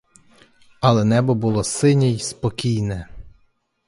Але небо було синє й спокійне.